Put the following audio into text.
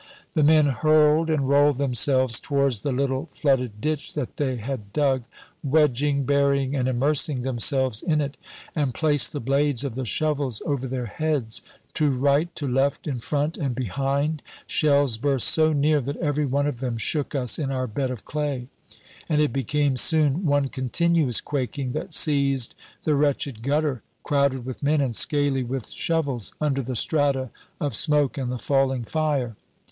The men hurled and rolled themselves towards the little flooded ditch that they had dug, wedging, burying, and immersing themselves in it, and placed the blades of the shovels over their heads. To right, to left, in front and behind, shells burst so near that every one of them shook us in our bed of clay; and it became soon one continuous quaking that seized the wretched gutter, crowded with men and scaly with shovels, under the strata of smoke and the falling fire.